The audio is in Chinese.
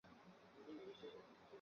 父权指以成年男性为中心的权力。